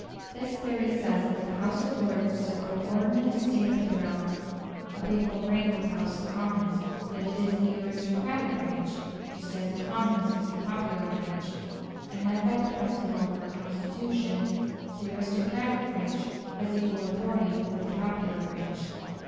This theory says that the House of Lords is a co ordinate estate of the realm, of equal rank with the House of Commons; that it is the aristocratic branch, just as the Commons is the popular branch; and that by the principle of our Constitution the aristocratic branch has equal authority with the popular branch.